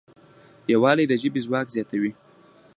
یووالی د ژبې ځواک زیاتوي.